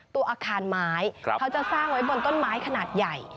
ตัวอาคารไม้เขาจะสร้างไว้บนต้นไม้ขนาดใหญ่